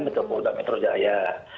betul mbak metro jaya